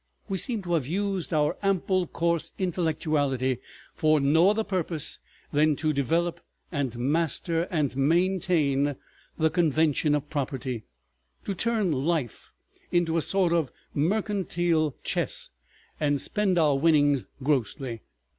We seem to have used our ample coarse intellectuality for no other purpose than to develop and master and maintain the convention of property, to turn life into a sort of mercantile chess and spend our winnings grossly.